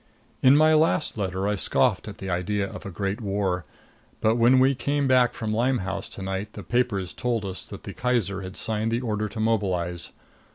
In my last letter I scoffed at the idea of a great war. But when we came back from Limehouse to night the papers told us that the Kaiser had signed the order to mobilize.